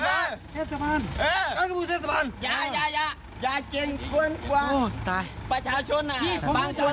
ประชาชนบางคนเข้ารู้จักไหมยิ่งกว่าท่านอีก